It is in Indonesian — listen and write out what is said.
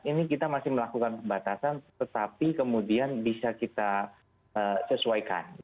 ini kita masih melakukan pembatasan tetapi kemudian bisa kita sesuaikan